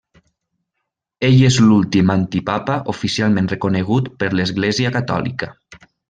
Ell és l'últim antipapa oficialment reconegut per l'Església Catòlica.